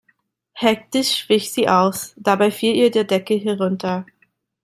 Hektisch wich sie aus, dabei fiel ihr der Deckel herunter.